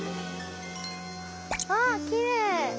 あきれい！